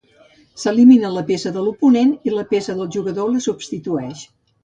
S'elimina la peça de l'oponent i la peça del jugador la substitueix.